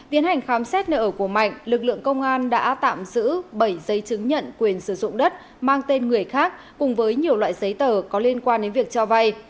tiến hành khám xét nơi ở của mạnh lực lượng công an đã tạm giữ bảy giấy chứng nhận quyền sử dụng đất mang tên người khác cùng với nhiều loại giấy tờ có liên quan đến việc cho vay